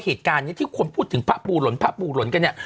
เหตุการณ์นี้ที่คนพูดถึงพระปูหล่นพระปูหล่นกันเนี่ย